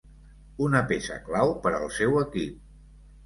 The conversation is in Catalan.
Una peça clau per al seu equip.